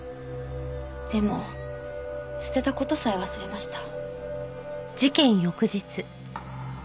でも捨てた事さえ忘れました。